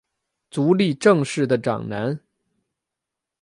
足利政氏的长男。